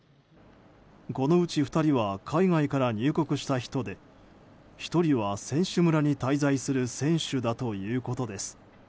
このうち２人は海外から入国した人で１人は、選手村に滞在する選手だということです。